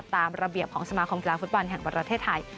ตามระเบียบของสมาคมกีฬาฟุตบอลแห่งประเทศไทย